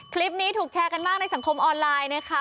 คลิปนี้ถูกแชร์กันมากในสังคมออนไลน์นะคะ